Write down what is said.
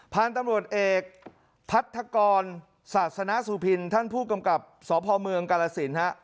พันธุ์ตำรวจเอกพัทธกรศาสนสุพินท่านผู้กำกับสพเมืองกาลสินฮะ